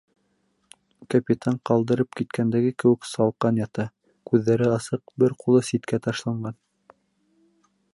Капитан ҡалдырып киткәндәге кеүек салҡан ята, күҙҙәре асыҡ, бер ҡулы ситкә ташланған.